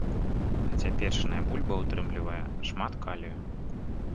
Хаця печаная бульба ўтрымлівае шмат калію.